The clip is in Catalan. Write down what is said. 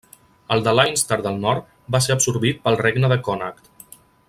El de Leinster del Nord va ser absorbit pel Regne de Connacht.